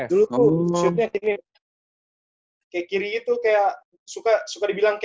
dulu tuh shootnya kiri kayak kiri itu kayak suka dibilang keloin